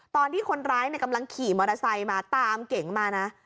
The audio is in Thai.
ตอนที่คนร้ายกำลังขี่มอเตอร์ไซค์มาตามเก๋งมานะ